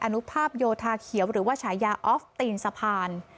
อนุภาพโยธาเขียวหรือว่าฉายาออฟตีนสะพาน